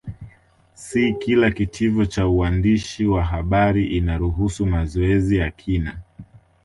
Si kila Kitivo cha uandishi wa habari inaruhusu mazoezi ya kina